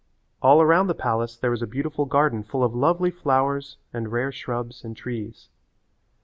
All around the palace there was a beautiful garden full of lovely flowers and rare shrubs and trees.